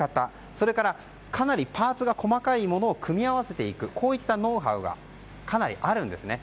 それからかなりパーツが細かいものを組み合わせていくノウハウがかなりあるんですね。